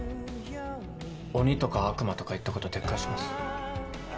鬼とか悪魔とか言ったこと撤回します。